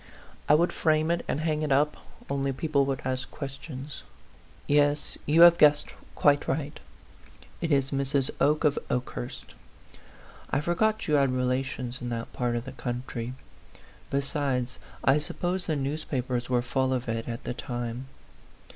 I would frame it and hang it up, only people would ask questions. Yes; you have guessed quite right it is Mrs. Oke of Okehurst. I forgot you had re lations in that part of the country ; besides, I suppose the newspapers were full of it at the time.